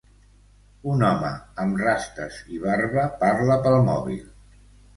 Un home amb rastes i barba parla pel mòbil.